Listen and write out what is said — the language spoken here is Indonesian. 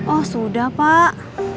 oh sudah pak